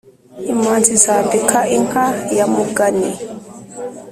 imanzi zambika inka ya mugani